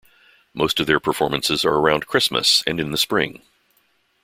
Most of their performances are around Christmas and in the Spring.